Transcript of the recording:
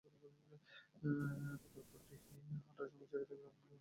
পাতালপথটি দিয়ে হাঁটার সময় চিরায়ত গ্রামীণ জীবনচিত্রের কথাই মনে করিয়ে দেবে সবাইকে।